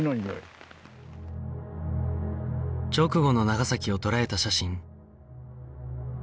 直後の長崎を捉えた写真